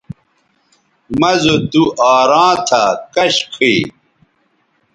مہ زو تُوآراں تھا کش کھئ